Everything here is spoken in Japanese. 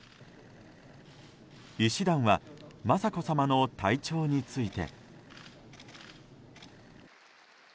医師団は雅子さまの体調について。